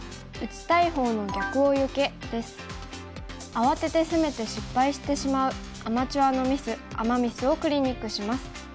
慌てて攻めて失敗してしまうアマチュアのミスアマ・ミスをクリニックします。